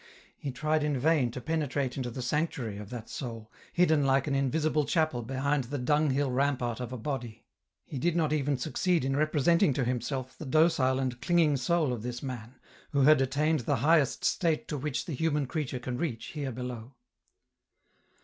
He tried in vain to penetrate into the sanctuary of that soul, hidden like an invisible chapel behind the dung hill rampart of a body ; he did not even succeed in representing to himself the docile and clinging soul of this man, who had attained the highest state to which the human creature can reach here below.